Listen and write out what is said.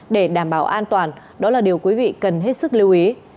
để đảm bảo an toàn đó là điều quý vị cần hết sức lưu ý